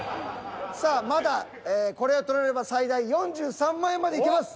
さあまだこれを獲れれば最大４３万円までいけます。